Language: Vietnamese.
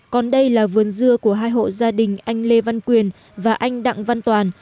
còn đây là vườn dưa của hai hộ gia đình anh lê văn quyền và anh đặng văn toàn